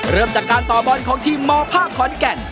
เริ่มจากการต่อบอลของทีมมภาคขอนแก่น